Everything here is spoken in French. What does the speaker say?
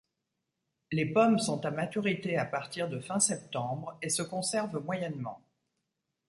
Les pommes sont à maturité à partir de fin septembre et se conservent moyennement.